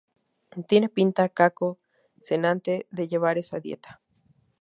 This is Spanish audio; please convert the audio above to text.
¿Tiene pinta Caco Senante de llevar esa dieta?